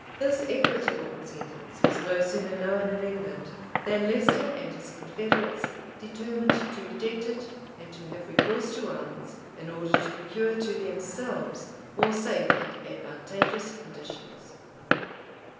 [*] This equitable sentence was no sooner known in England, than Leicester and his confederates determined to reject it and to have recourse to arms, in order to procure to themselves more safe and advantageous conditions.